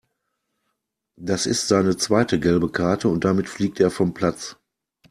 Das ist seine zweite gelbe Karte und damit fliegt er vom Platz.